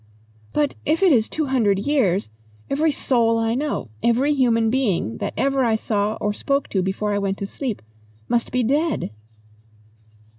"But if it is two hundred years, every soul I know, every human being that ever I saw or spoke to before I went to sleep, must be dead."